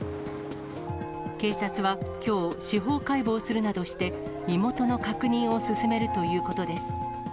警察は、きょう、司法解剖するなどして、身元の確認を進めるということです。